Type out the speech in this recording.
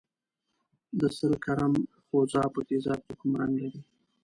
د سره کرم ځوښا په تیزاب کې کوم رنګ لري؟